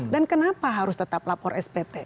dan kenapa harus tetap lapor spt